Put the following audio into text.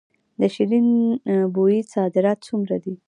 د شیرین بویې صادرات څومره دي؟